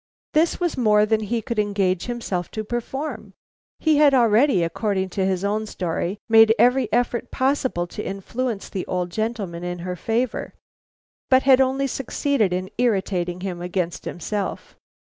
This was more than he could engage himself to perform. He had already, according to his own story, made every effort possible to influence the old gentleman in her favor, but had only succeeded in irritating him against himself.